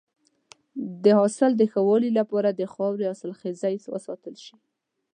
د حاصل د ښه والي لپاره د خاورې حاصلخیزی وساتل شي.